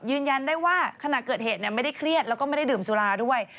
ยืนยันได้ว่าขณะเกิดเหตุไม่ได้เครียดแล้วก็ไม่ได้ดื่มสุราด้วย